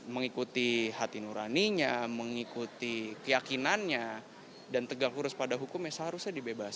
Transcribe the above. mengikuti hati nuraninya mengikuti keyakinannya dan tegang kurus pada hukumnya seharusnya dibebaskan